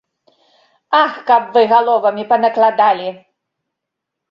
Ах, каб вы галовамі панакладалі!